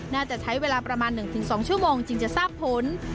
น่าจะใช้เวลาประมาณ๑๒ชั่วโมงจึงจะทราบผล